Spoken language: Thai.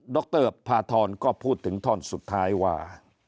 รพาทรก็พูดถึงท่อนสุดท้ายว่า